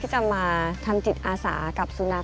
จะมาทำจิตอาสากับสุนัข